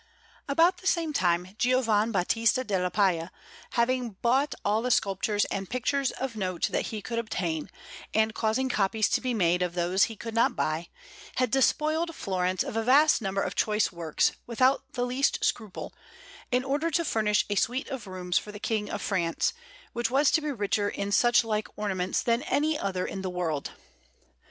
About the same time Giovan Battista della Palla, having bought all the sculptures and pictures of note that he could obtain, and causing copies to be made of those that he could not buy, had despoiled Florence of a vast number of choice works, without the least scruple, in order to furnish a suite of rooms for the King of France, which was to be richer in suchlike ornaments than any other in the world.